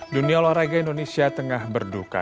dunia olahraga indonesia tengah berduka